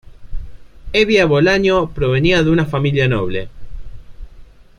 Hevia Bolaño provenía de una familia noble.